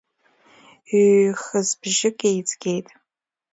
Ҩҩ-хысбжьык еицгеит…